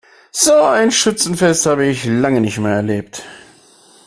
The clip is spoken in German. So ein Schützenfest habe ich lange nicht mehr erlebt.